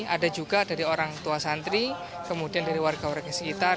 ada juga dari orang tua santri kemudian dari warga warga sekitar